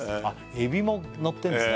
エビものってるんですね